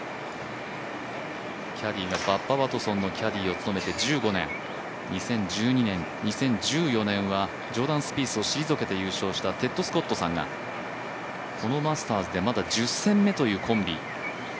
キャディーはバッバ・ワトソンのキャディーを務めて１４年、２０１２年、２０１４年はジョーダン・スピースを退けて優勝したテッド・スコットさんが、このマスターズではまだ１０年目というコンビ。